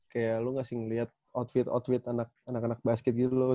kayak lu ngasih liat outfit outfit anak anak basket gitu loh